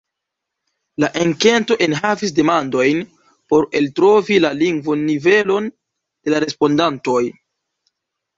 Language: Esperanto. La enketo enhavis demandojn por eltrovi la lingvonivelon de la respondantoj.